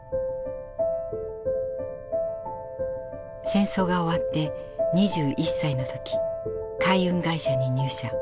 戦争が終わって２１歳の時海運会社に入社。